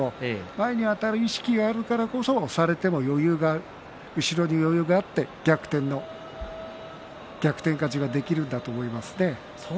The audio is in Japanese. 前にあたる意識があるからこそ押されても後ろに余裕があって逆転勝ちができるんだと思いますね。